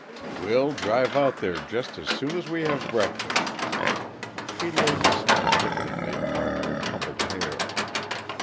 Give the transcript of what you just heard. "We'll drive out there just as soon as we have breakfast." He laid his hand diffidently upon her tumbled hair.